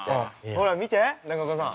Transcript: ほら見て、中岡さん。